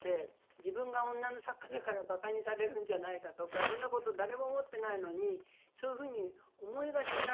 自分が女の作家だからばかにされるんじゃないかとかそんなこと誰も思ってないのにそういうふうに思いがちな方でしたよね。